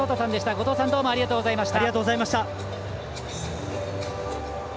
後藤さんどうもありがとうございました。